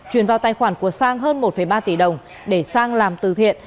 chuyển vào tài khoản của sang hơn một ba tỷ đồng để sang làm từ thiện